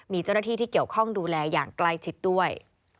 มีเจ้าหน้าที่ที่เกี่ยวข้องดูแลอย่างใกล้ชิดด้วย